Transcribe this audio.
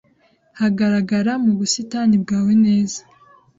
Hagarara mu busitani bwawe neza